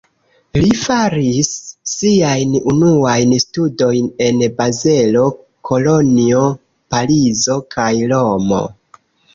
Li faris siajn unuajn studojn en Bazelo, Kolonjo, Parizo kaj Romo.